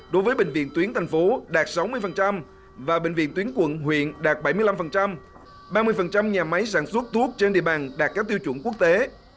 đối với bệnh viện tuyến thành phố đạt sáu mươi và bệnh viện tuyến quận huyện đạt bảy mươi năm ba mươi nhà máy sản xuất thuốc trên địa bàn đạt các tiêu chuẩn quốc tế